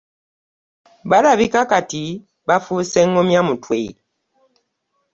Balabika kati bafuuse ŋŋumya mutwe.